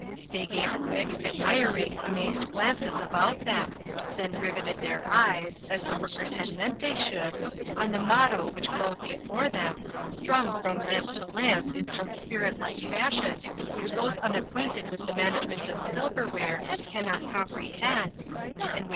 They gave quick, admiring, amazed glances about them, then riveted their eyes, as the workers had meant they should, on the motto which glowed before them, strung from lamp to lamp in some spirit like fashion which those unacquainted with the management of silver ware cannot comprehend, and which RECOGNITION.